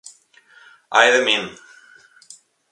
Ai de min!